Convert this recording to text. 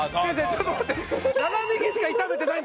ちょっと待って。